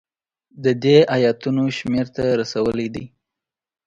د دې ایتونو شمېر ته رسولی دی.